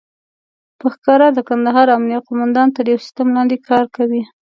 په ښکاره د کندهار امنيه قوماندان تر يو سيستم لاندې کار کوي.